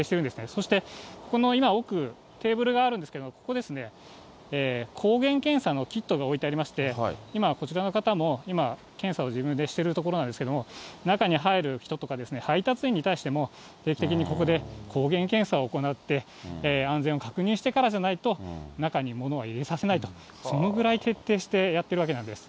そしてこの今、奥、テーブルがあるんですけど、ここですね、抗原検査のキットが置いてありまして、今、こちらの方も今、検査を自分でしてるところなんですけども、中に入る人とか、配達員に対しても、定期的にここで抗原検査を行って、安全の確認をしてからじゃないと中に物は入れさせないと、そのくらい徹底してやってるわけなんです。